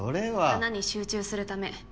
花に集中するため。